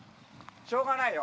しょうがないよ。